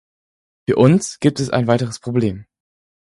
Für uns gibt es ein weiteres Problem.